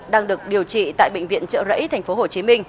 đang được điều trị tại bệnh viện trợ rẫy tp hcm